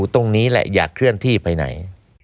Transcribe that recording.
ตรงนี้แหละอย่าเคลื่อนที่ไปไหน